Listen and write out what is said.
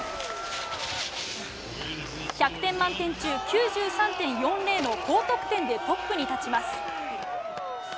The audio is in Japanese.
１００点満点中９３．４０の高得点でトップに立ちます。